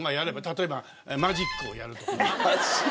例えばマジックをやるとか。